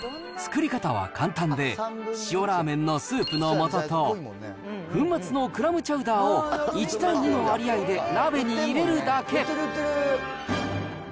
作り方は簡単で、塩ラーメンのスープのもとと、粉末のクラムチャウダーを１対２の割合で、鍋に入れるだけ。